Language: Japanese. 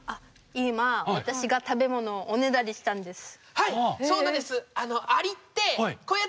今私がはいそうなんです！